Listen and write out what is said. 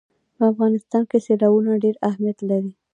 په افغانستان کې سیلابونه ډېر اهمیت لري.